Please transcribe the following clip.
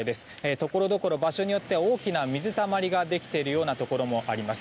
ところどころ、場所によっては大きな水たまりができているところもあります。